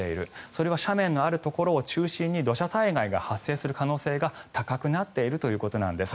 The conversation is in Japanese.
それは斜面のある所を中心に土砂災害が発生する可能性が高くなっているということなんです。